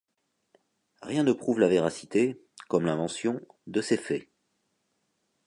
Rien ne prouve la véracité, comme l'invention, de ces faits.